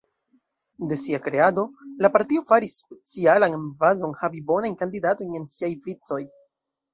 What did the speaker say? De sia kreado, la partio faris specialan emfazon havi bonajn kandidatojn en siaj vicoj.